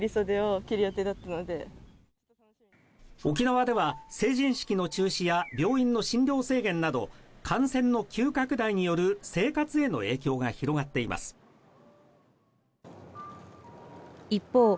沖縄では成人式の中止や病院の診療制限など感染の急拡大による生活への影響が広がっています一方